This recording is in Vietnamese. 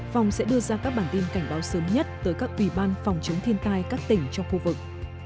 phòng sẽ đưa ra các bản tin cảnh báo sớm nhất tới các ủy ban phòng chống thiên tai các tỉnh trong khu vực